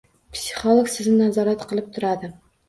Psixolog sizni nazorat qilib turadi